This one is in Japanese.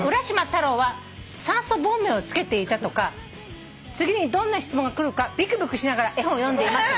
太郎は酸素ボンベをつけていたとか次にどんな質問がくるかびくびくしながら絵本を読んでいます」